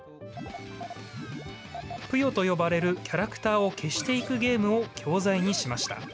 ぷよと呼ばれるキャラクターを消していくゲームを教材にしました。